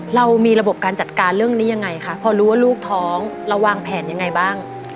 เรามีระบบการจัดการเรื่องนี้ยังไงคะพอรู้ว่าลูกท้องเราวางแผนยังไงบ้าง